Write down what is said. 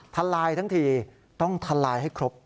ทลายทั้งทีต้องทลายให้ครบ